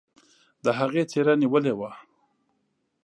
د هغې څيره نيولې وه.